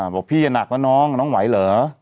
บอกพี่ยังหนักนะน้องน้องไหวเหรอ